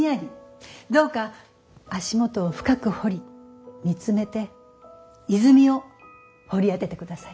どうか足元を深く掘り見つめて泉を掘り当ててください。